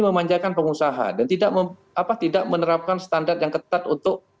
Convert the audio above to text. memanjakan pengusaha dan tidak menerapkan standar yang ketat untuk